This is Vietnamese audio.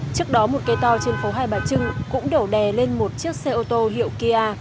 trước đó một cây to trên phố hai bà trưng cũng đổ đè lên một chiếc xe ô tô hiệu kia